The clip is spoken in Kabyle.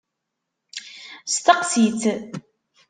Steqsi-tt.